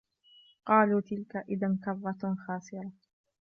قَالُوا تِلْكَ إِذًا كَرَّةٌ خَاسِرَةٌ